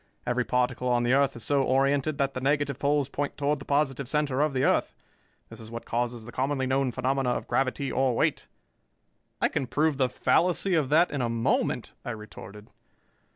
Every particle on the earth is so oriented that the negative poles point toward the positive center of the earth. This is what causes the commonly known phenomena of gravity or weight." "I can prove the fallacy of that in a moment," I retorted.